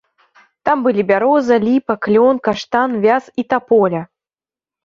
Там былі бяроза, ліпа, клён, каштан, вяз і таполя.